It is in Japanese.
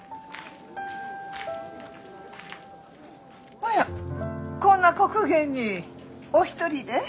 おやこんな刻限にお一人で？